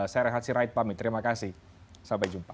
srinnn pamit terima kasih sampai jumpa